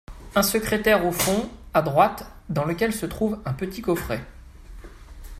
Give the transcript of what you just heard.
Un secrétaire au fond, à droite, dans lequel se trouve un petit coffret.